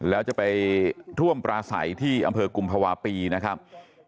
แล้วจะไปร่วมปราศัยที่อำเภอกุมภาวะปีนะครับ